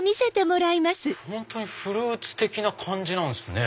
本当にフルーツ的な感じですね。